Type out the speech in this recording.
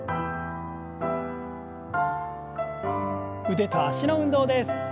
腕と脚の運動です。